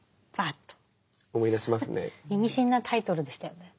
意味深なタイトルでしたよね。